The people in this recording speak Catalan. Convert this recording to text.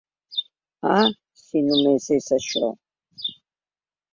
Ah, si només és això.